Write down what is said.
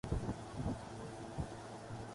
دیمک کی طرح کھا گئی جسے دستک کی تمنا